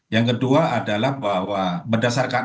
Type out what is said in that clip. yang kedua adalah bahwa berdasarkan